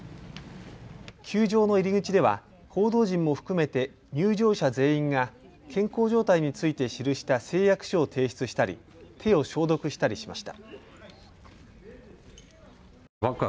球場の入り口では報道陣も含めて入場者全員が健康状態について記した誓約書を提出したり手を消毒したりしました。